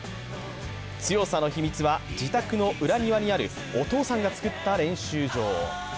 強さの秘密は、自宅の裏庭にあるお父さんが作った練習場。